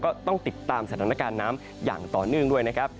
ก็ต้องติดตามสถานการณ์น้ำอย่างต่อเนื่องด้วยนะครับ